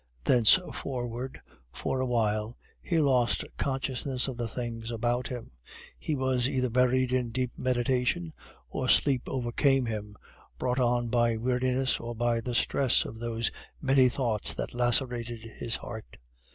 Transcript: Thenceforward, for a while, he lost consciousness of the things about him; he was either buried in deep meditation or sleep overcame him, brought on by weariness or by the stress of those many thoughts that lacerated his heart.